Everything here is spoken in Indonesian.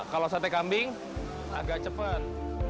kalau sate kambing agak cepat